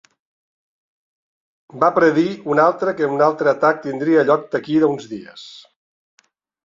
Va predir un altre que un altre atac tindria lloc d'aquí a uns dies.